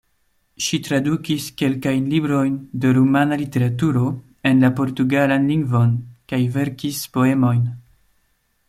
Ŝi tradukis kelkajn librojn de rumana literaturo en la portugalan lingvon kaj verkis poemojn.